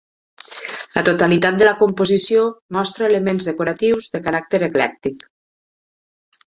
La totalitat de la composició mostra elements decoratius de caràcter eclèctic.